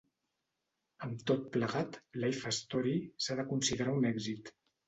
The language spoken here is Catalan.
Amb tot plegat, "Life Story" s'ha de considerar un èxit.